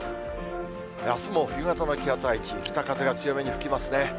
あすも冬型の気圧配置、北風が強めに吹きますね。